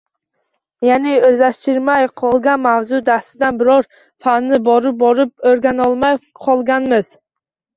Ya’ni, o‘zlashtirilmay qolgan mavzu dastidan biror fanni borib-borib o‘rganolmay qolganmiz